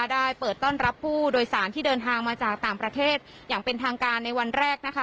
ได้เปิดต้อนรับผู้โดยสารที่เดินทางมาจากต่างประเทศอย่างเป็นทางการในวันแรกนะคะ